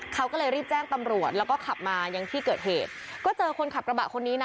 เขาก็เลยรีบแจ้งตำรวจแล้วก็ขับมายังที่เกิดเหตุก็เจอคนขับกระบะคนนี้นะ